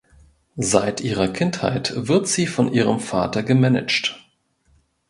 Seit ihrer Kindheit wird sie von ihrem Vater gemanagt.